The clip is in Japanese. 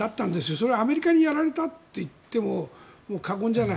それはアメリカにやられたといってももう過言じゃない。